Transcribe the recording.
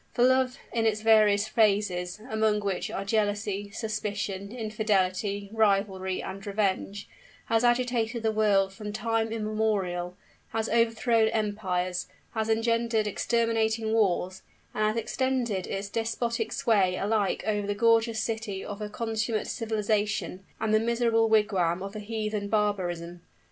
For Love, in its various phases, among which are Jealousy, Suspicion, Infidelity, Rivalry, and Revenge, has agitated the world from time immemorial has overthrown empires, has engendered exterminating wars, and has extended its despotic sway alike over the gorgeous city of a consummate civilization, and the miserable wigwam of a heathen barbarism!